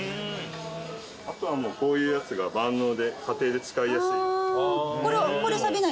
あとはこういうやつが万能で家庭で使いやすい。